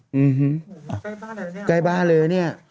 อื้อฮือใกล้บ้านเลยเนี่ย